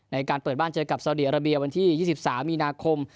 ในการเปิดบ้านเจอกับสาวดีอาราเบียวันที่๒๓มีนาคม